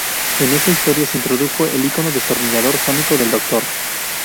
En esa historia se introdujo el icónico destornillador sónico del Doctor.